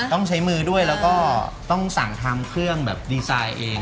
ต้องใช้มือด้วยแล้วก็ต้องสั่งทำเครื่องแบบดีไซน์เอง